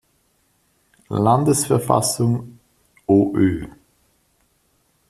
Landesverfassung", "Oö.